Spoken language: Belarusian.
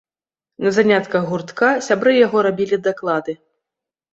На занятках гуртка сябры яго рабілі даклады.